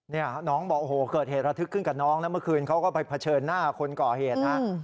นี่น้องบอกโอ้โหเกิดเหตุระทึกขึ้นกับน้องนะเมื่อคืนเขาก็ไปเผชิญหน้าคนก่อเหตุนะ